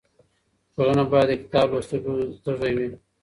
ټولنه بايد د کتاب لوستلو تږې وي.